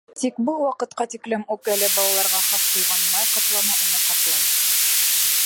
Тик был ваҡытҡа тиклем үк әле балаларға хас булған май ҡатламы уны ҡаплай.